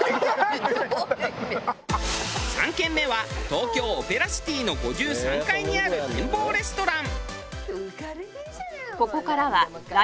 ３軒目は東京オペラシティの５３階にある展望レストラン。